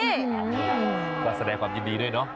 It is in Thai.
อืมแปลกแสดงความยินดีด้วยเนอะ